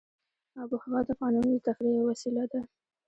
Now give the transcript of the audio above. آب وهوا د افغانانو د تفریح یوه وسیله ده.